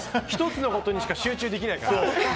１つのことにしか集中できない。